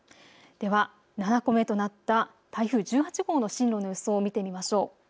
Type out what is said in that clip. では７個目となった台風１８号の進路の予想を見てみましょう。